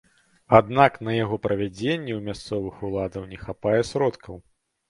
Аднак на яго правядзенне ў мясцовых уладаў не хапае сродкаў.